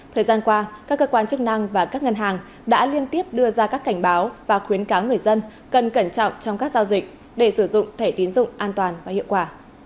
thời gian qua các cơ quan chức năng và các ngân hàng đã liên tiếp đưa ra các cảnh báo và khuyến cáo người dân cần cẩn trọng trong các giao dịch để sử dụng thẻ tiến dụng an toàn và hiệu quả